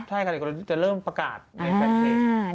ใช่คุณผู้ชมจะเริ่มประกาศในแฟนเทป